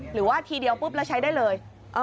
หรือว่าทีเดียวปุ๊บแล้วใช้ได้เลย